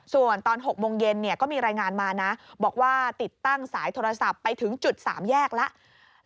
ส่วนตอน๖โมงเย็นก็มีรายงานมานะบอกว่าติดตั้งสายโทรศัพท์ไปถึงจุด๓แยกแล้ว